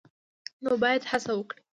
نو باید هڅه وکړي